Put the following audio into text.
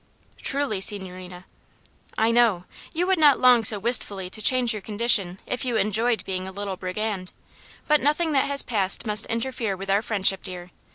"Truly, signorina." "I know. You would not long so wistfully to change your condition if you enjoyed being a little brigand. But nothing that has passed must interfere with our friendship, dear.